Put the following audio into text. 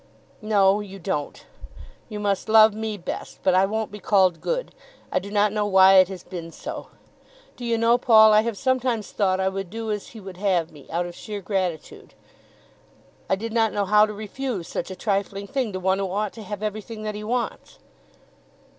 "No, you don't. You must love me best, but I won't be called good. I do not know why it has been so. Do you know, Paul, I have sometimes thought I would do as he would have me, out of sheer gratitude. I did not know how to refuse such a trifling thing to one who ought to have everything that he wants."